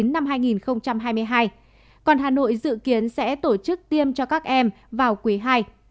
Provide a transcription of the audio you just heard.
năm hai nghìn hai mươi hai còn hà nội dự kiến sẽ tổ chức tiêm cho các em vào quý ii